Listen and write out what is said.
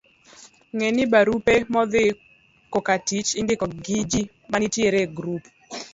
Ng'e ni, barupe modhi kokatich indiko gi ji manitiere e grup